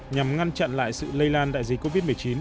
nhằm ngăn chặn lại sự lây lan đại dịch covid một mươi chín